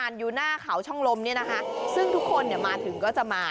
ไปกันแบบล้นลามเลยค่ะ